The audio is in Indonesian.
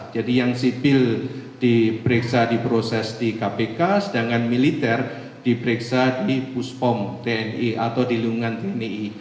jadi yang sipil diperiksa di proses di kpk sedangkan militer diperiksa di puspong tni atau di lingkungan tni